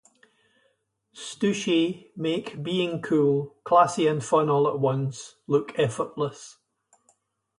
Stooshe make being cool, classy and fun all at once look effortless.